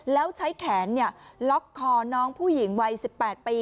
แล้วใช้แขนล็อกคอน้องผู้หญิงวัย๑๘ปี